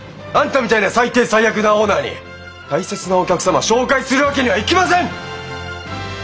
あんたみたいな最低最悪なオーナーに大切なお客様紹介するわけにはいきません！